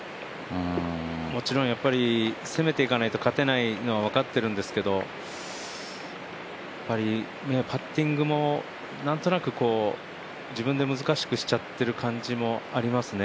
もちろんやっぱり攻めていかないと勝てないのは分かっているんですけどパッティングもなんとなく自分で難しくしちゃってる感じがありますね。